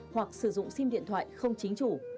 hoặc sử dụng sim điện thoại không chính chủ